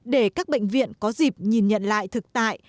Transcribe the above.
để các bệnh viện có dịp nhìn nhận lại thực tại